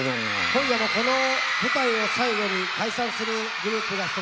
今夜のこの舞台を最後に解散するグループが１つございます。